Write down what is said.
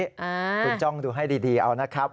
คุณจ้องดูให้ดีเอานะครับ